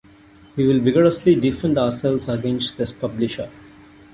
We will vigorously defend ourselves against this publisher.